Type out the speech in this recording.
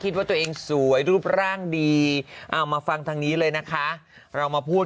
คิดว่าตัวเองสวยรูปร่างดีเอามาฟังทางนี้เลยนะคะเรามาพูด